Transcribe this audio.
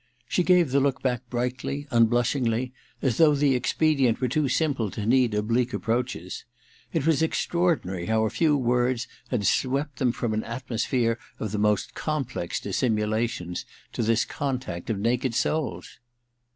She gave the look back brightly, unblushingly, as though the expedient were too simple to need oblique approaches. It was extraordinary how a few words had swept them from an atmosphere of the most complex dis simulations to this contact of naked souls.